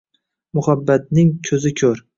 Muhabbatning ko`zi ko`r